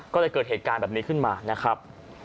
ก็เลยเกิดเหตุการณ์แบบนี้ขึ้นมานะครับ